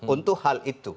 untuk hal itu